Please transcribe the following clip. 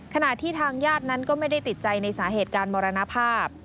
ขณะที่ทางญาตินั้นก็ไม่ได้ติดใจในสาเหตุการมรณภาพ